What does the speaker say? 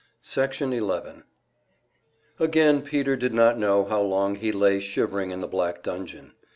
Section 11 Again Peter did not know how long he lay shivering in the black dungeon.